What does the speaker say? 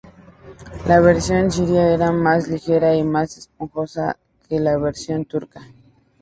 La versión siria era más ligera y más esponjosa que la versión turca.